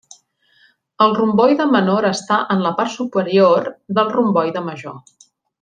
El romboide menor està en la part superior del romboide major.